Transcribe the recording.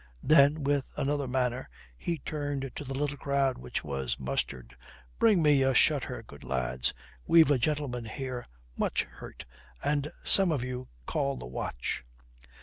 Then with another manner, he turned to the little crowd which was mustered: "Bring me a shutter, good lads. We've a gentleman here much hurt. And some of you call the watch."